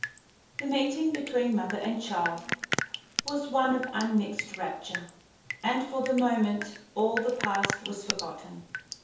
The meeting between mother and child was one of unmixed rapture, and for the moment all the past was forgotten.